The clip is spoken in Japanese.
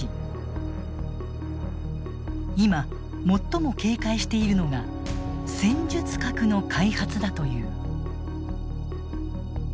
今最も警戒しているのが戦術核の開発だという。